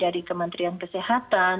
dari kementerian kesehatan